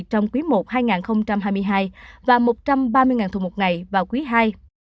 trong quý i hai nghìn hai mươi hai và một trăm ba mươi thùng một ngày vào quý ii